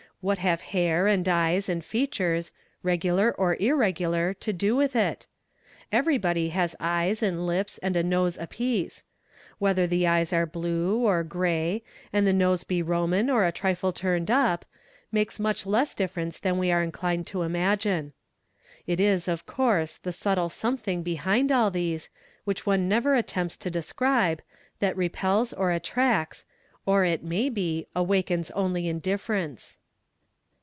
What have hair and eyes and features, regular or irregular, to do with it? Eveiy body has eyes and lips and a nose apiece; whether the eyes be blue, or gray, and the nose be Roman or a trifle turned up, makes much less difference than we are inclined to imagine. It is, of couree, the subtle something behind all these, which one never attempts to describe, that repels or attracts, or, it may be, awakens only indifference.